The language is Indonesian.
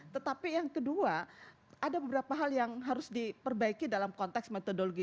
tetapi yang kedua ada beberapa hal yang harus diperbaiki dalam konteks metodologi